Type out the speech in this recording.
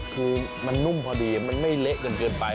คือมันนุ่มพอดีมันไม่เละกันเกินไป